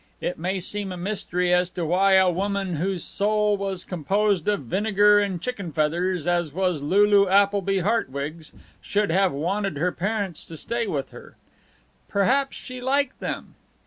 It may seem a mystery as to why a woman whose soul was composed of vinegar and chicken feathers, as was Lulu Appleby Hartwig's, should have wanted her parents to stay with her. Perhaps she liked them.